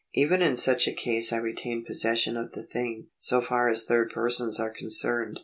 Even in such a case I retain possession of the thing, so far as third persons are concerned.